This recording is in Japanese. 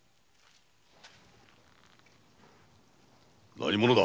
何者だ？